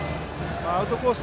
アウトコース